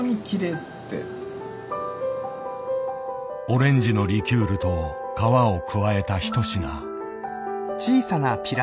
オレンジのリキュールと皮を加えた一品。